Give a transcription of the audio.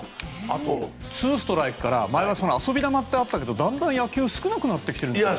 あと２ストライクから前は遊び球ってあったけどだんだん野球少なくなってきてるんですか。